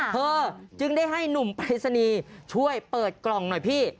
เธอจึงได้ให้หนุ่มปริศนีย์ช่วยเปิดกล่องหน่อยพี่